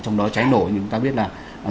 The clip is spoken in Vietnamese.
trong đó cháy nổ thì chúng ta biết là